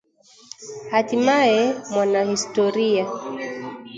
Hatimaye mwanahistoria